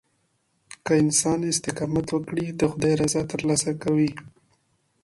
که انسان استقامت وکړي، د خداي رضا ترلاسه کوي.